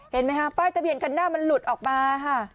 เห็นไหมคะป้ายทะเบียนคันหน้ามันหลุดออกมาค่ะ